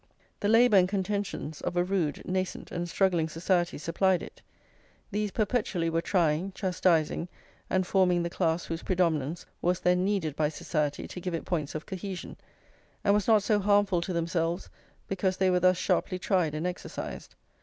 The labour and contentions of a rude, nascent, and struggling society supplied it; these perpetually were trying, chastising, and forming the class whose predominance was then needed by society to give it points of cohesion, and was not so harmful to themselves because they were thus sharply tried and exercised.